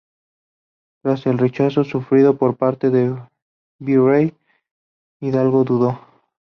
Tras el rechazo sufrido por parte del virrey, Hidalgo dudó.